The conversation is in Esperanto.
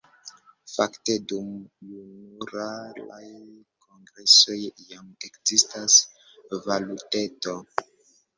Fakte dum junularaj kongresoj jam ekzistas “valuteto”.